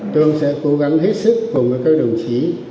tôi sẽ cố gắng hết sức cùng với các đồng chí